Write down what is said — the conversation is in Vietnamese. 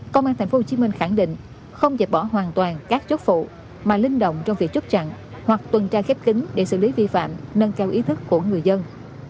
công an tp hcm khẳng định không dẹp bỏ hoàn toàn các chốt phụ mà linh động trong việc chốt chặn hoặc tuần tra khép kính để xử lý vi phạm nâng cao ý thức của người dân